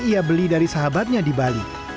ia beli dari sahabatnya di bali